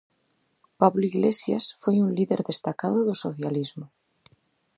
Pablo Iglesias foi un líder destacado do socialismo.